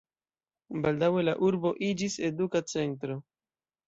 Baldaŭe la urbo iĝis eduka centro.